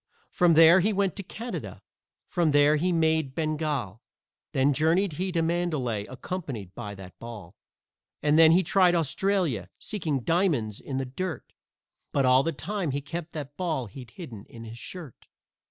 From there he went to Canada, from there he made Bengal, Then journeyed he to Mandalay, accompanied by that ball. And then he tried Australia, seeking diamonds in the dirt, But all the time he kept that ball he'd hidden in his shirt.